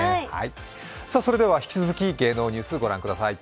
それでは引き続き芸能ニュースご覧ください。